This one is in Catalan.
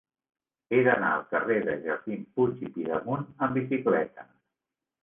He d'anar al carrer de Joaquim Puig i Pidemunt amb bicicleta.